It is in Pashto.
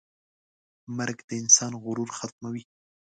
مرګ د انسان غرور ختموي.